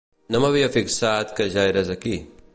No m'havia fixat que ja eres aquí.